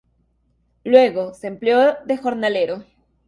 Luego se empleó de jornalero.